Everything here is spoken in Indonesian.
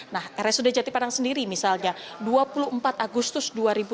nah rsud jatipadang sendiri misalnya dua puluh empat agustus dua ribu dua puluh